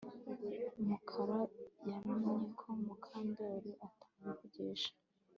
Mukara yamenye ko Mukandoli atamuvugisha